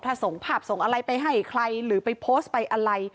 ถ้าส่งภาพส่งอะไรไปให้ใครหรือไปโพสต์ไปอะไร